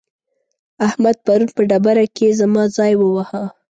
احمد پرون په ډبره کې زما ځای وواهه.